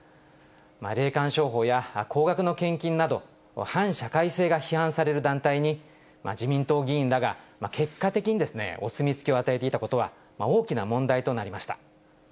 霊感商法や高額の献金など、反社会性が批判される団体に、自民党議員らが結果的にお墨付きを与えていたことは、大きな問題となりました。